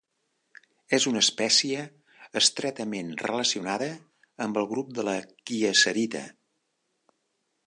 És una espècie estretament relacionada amb el grup de la kieserita.